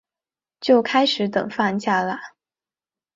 就开始等放假啦